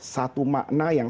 satu makna yang